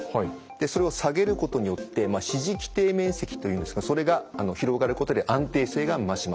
それを下げることによって支持基底面積というんですがそれが広がることで安定性が増します。